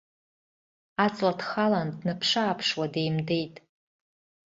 Аҵла дхалан днаԥшы-ааԥшуа деимдеит.